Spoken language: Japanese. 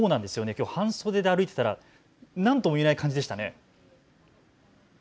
きょう半袖で歩いていたら何とも言えない感じでしたね。